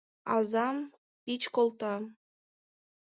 Азам пич колта...